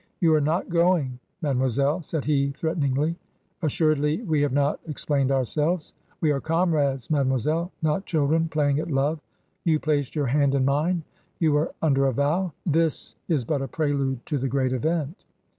" You are not going, mademoiselle," said he, threaten ingly ;" assuredly we have not explained ourselves. We are comrades, mademoiselle — not children playing at love. You placed your hand in mine. You were under a vow. This is but a prelude to the great event."